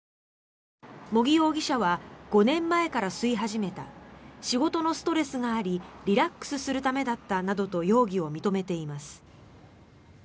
茂木容疑者は５年前から吸い始めた仕事のストレスがありリラックスするためだったなどと容疑を認めています。